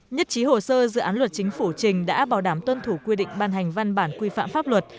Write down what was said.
nhất trí hồ sơ dự án luật chính phủ trình đã bảo đảm tuân thủ quy định ban hành văn bản quy phạm pháp luật